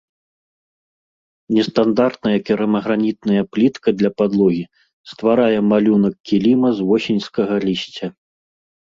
Нестандартная керамагранітная плітка для падлогі стварае малюнак кіліма з восеньскага лісця.